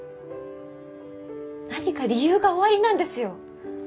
何か理由がおありなんですよ。